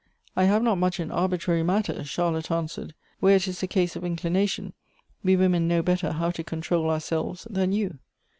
" I have not much in arbitrary matters," Charlotte an swered. " Where it is a case of inclination, we women know better how to control ourselves than you."